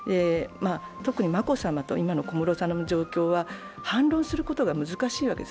特に眞子さまと今の小室さんの状況は反論することが難しいわけです。